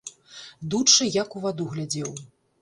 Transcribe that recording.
Дучэ як у ваду глядзеў.